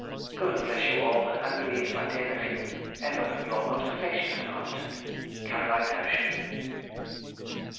God bless you all, and believe, my dear nephew, Ever your most affectionate aunt, CAR. HERSCHEL.